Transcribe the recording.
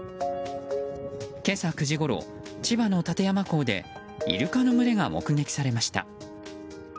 今朝９時ごろ、千葉の館山港でイルカの群れが目撃されました。